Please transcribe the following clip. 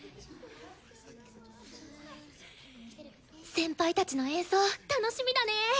先輩たちの演奏楽しみだね。